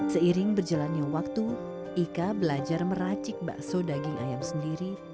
seiring berjalannya waktu ika belajar meracik bakso daging ayam sendiri